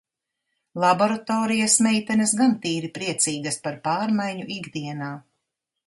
Laboratorijas meitenes gan tīri priecīgas par pārmaiņu ikdienā.